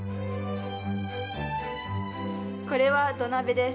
これは土鍋です。